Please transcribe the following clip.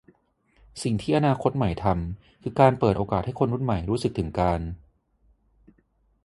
สิ่งที่อนาคตใหม่ทำคือการเปิดโอกาสให้คนรุ่นใหม่รู้สึกถึงการ